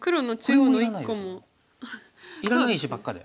いらない石ばっかで。